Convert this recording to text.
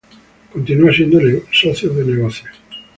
Continúan siendo socios de negocios.